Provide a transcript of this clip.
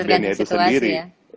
ben itu sendiri